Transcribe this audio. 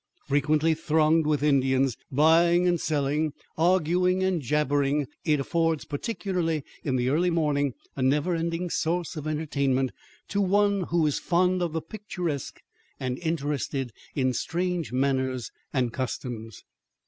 Frequently thronged with Indians, buying and selling, arguing and jabbering, it affords, particularly in the early morning, a never ending source of entertainment to one who is fond of the picturesque and interested in strange manners and customs.